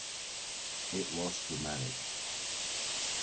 It was dramatic.